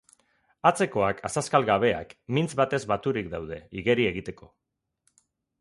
Atzekoak, azazkal gabeak, mintz batez baturik daude, igeri egiteko.